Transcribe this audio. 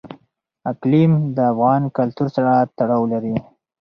اقلیم د افغان کلتور سره تړاو لري.